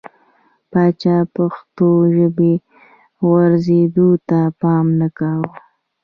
پاچا پښتو ژبې غوړېدو ته پام نه کوي .